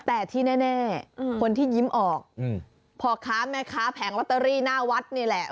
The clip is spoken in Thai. แต่ที่แน่คนที่ยิ้มออกพ่อค้าแม่ค้าแผงลอตเตอรี่หน้าวัดนี่แหละ